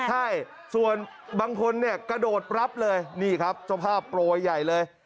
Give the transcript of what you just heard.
ใช่ส่วนบางคนกระโดดปรับเลยนี่ครับจงผ้าโปรยใหญ่เลย